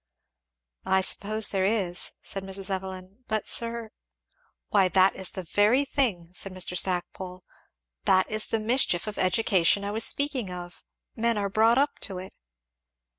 "I suppose there is," said Mrs. Evelyn, "but sir " "Why that is the very thing," said Mr. Stackpole, "that is the mischief of education I was speaking of men are brought up to it."